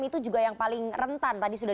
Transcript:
itu juga yang paling rentan tadi sudah